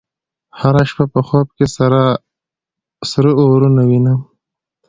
هره شپه په خوب کې سره اورونه وینم